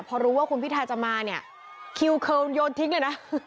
พอรู้ว่าคุณพิทาจะมาเนี่ยคิวเคิลโยนทิ้งเลยนะ